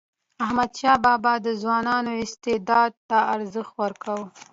احمدشاه بابا د ځوانانو استعداد ته ارزښت ورکاوه.